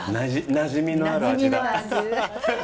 なじみのある味だ。